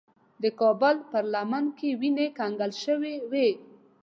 د کابل پر لمن کې وینې کنګل شوې وې.